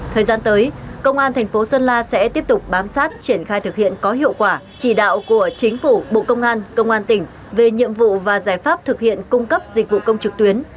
thời gian tới công an thành phố sơn la sẽ tiếp tục bám sát triển khai thực hiện có hiệu quả chỉ đạo của chính phủ bộ công an công an tỉnh về nhiệm vụ và giải pháp thực hiện cung cấp dịch vụ công trực tuyến